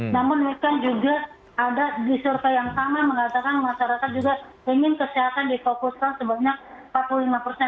namun demikian juga ada di survei yang sama mengatakan masyarakat juga ingin kesehatan difokuskan sebanyak empat puluh lima persen